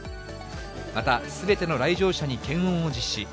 また、すべての来場者に検温を実施。